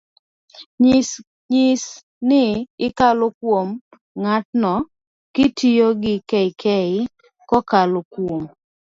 nyis ni ikalo kuom ng'atno kitiyo gi kk-kokalo kuom,